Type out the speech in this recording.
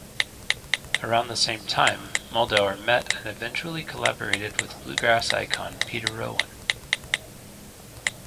Around the same time Muldaur met and eventually collaborated with bluegrass icon Peter Rowan.